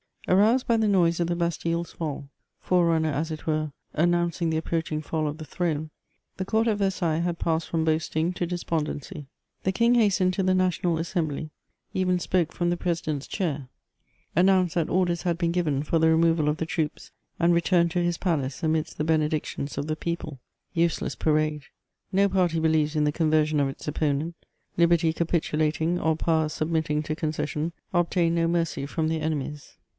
Aroused by tlie noise of die Bastille's fall, fore runner as it were, announcing the approaching fall of the throne, the court at Versailles had passed from boasting to despondency. The King hastened to the National Assembly, even spoke from the presi dent's chair ; announced that orders had been given for the re moval of the troops, and returned to his palace amidst the bene dictions of the people ; useless parade ! no party believes in the conversion of its opponent ; liberty capitulating, or power sub mitting to concession, obtain no mercy from their enemies.